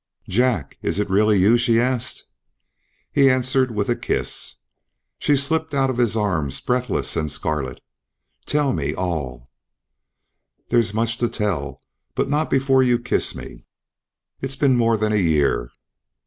"Jack is it really you?" she asked. He answered with a kiss. She slipped out of his arms breathless and scarlet. "Tell me all " "There's much to tell, but not before you kiss me. It has been more than a year."